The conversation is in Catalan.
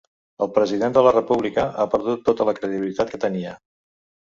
El president de la república ha perdut tota la credibilitat que tenia.